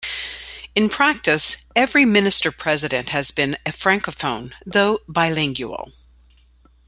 In practice every Minister-President has been a francophone, though bilingual.